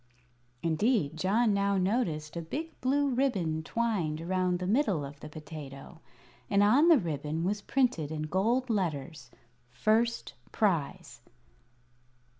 Indeed, John now noticed a big blue ribbon twined around the middle of the potato, and on the ribbon was printed in gold letters: "First Prize."